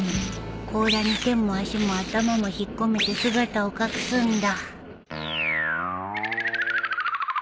甲羅に手も足も頭も引っ込めて姿を隠すんだ